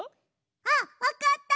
あっわかった！